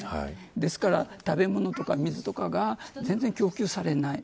ですから食べ物と水とかが全然供給されない。